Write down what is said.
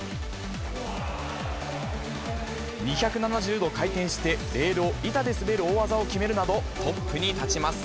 ２７０度回転してレールを板で滑る大技を決めるなど、トップに立ちます。